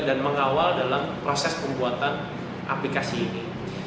dan mengawal dalam proses pembuatan aplikasi ini